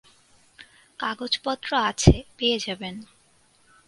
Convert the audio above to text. কাগজপত্র আছে, পেয়ে যাবেন।